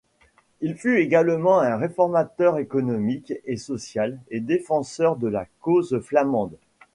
Il fut également un réformateur économique et social et défenseur de la cause flamande.